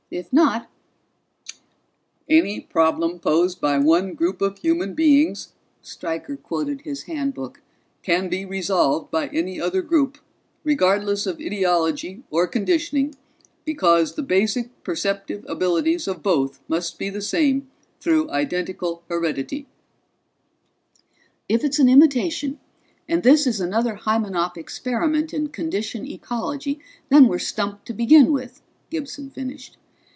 If not " "Any problem posed by one group of human beings," Stryker quoted his Handbook, "_can be resolved by any other group, regardless of ideology or conditioning, because the basic perceptive abilities of both must be the same through identical heredity_." "If it's an imitation, and this is another Hymenop experiment in condition ecology, then we're stumped to begin with," Gibson finished.